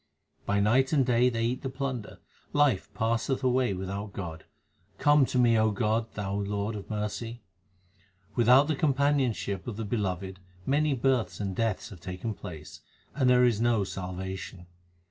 2 By night and day they eat the plunder ; life passeth away without God ; come to me, O God, Thou Lord of mercy. Without the companionship of the Beloved many births and deaths have taken place, and there is no salvation.